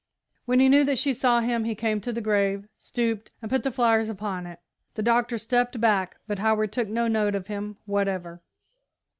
When he knew that she saw him, he came to the grave, stooped, and put the flowers upon it. The Doctor stepped back, but Howard took no note of him whatever.